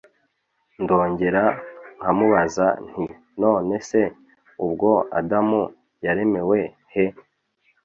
ndongera nkamubaza nti none se ubwo adamu yaremewe he